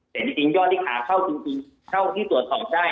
แต่จริงยอดที่ขาเข้าจริงเท่าที่ตรวจสอบได้